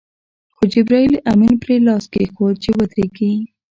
خو جبرائیل امین پرې لاس کېښود چې ودرېږي.